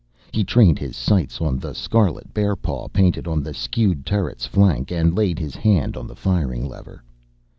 He trained his sights on the scarlet bearpaw painted on the skewed turret's flank, and laid his hand on the firing lever.